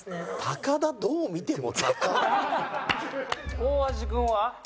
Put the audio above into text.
大橋君は？